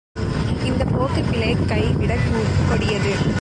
இந்தப் போக்கு பிளேக் கை விடக் கொடியது.